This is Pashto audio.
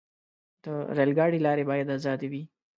د ریل ګاډي لارې باید آزادې وي.